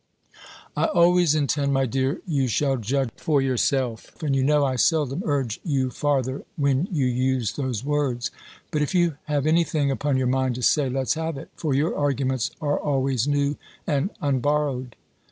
"I always intend, my dear, you shall judge for yourself; and, you know, I seldom urge you farther, when you use those words. But if you have any thing upon your mind to say, let's have it; for your arguments are always new and unborrowed."